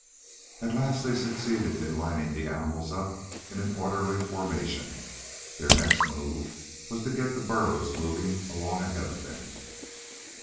At last they succeeded in lining the animals up in an orderly formation. Their next move was to get the burros moving along ahead of them.